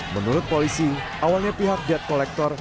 menurut polisi awalnya pihak debt collector